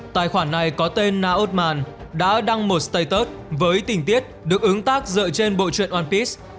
tài khoản này có tên naotman đã đăng một status với tình tiết được ứng tác dựa trên bộ truyện one piece